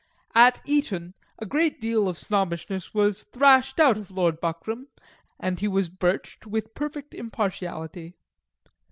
At Eton, a great deal of Snobbishness was thrashed out of Lord Buckram, and he was birched with perfect impartiality.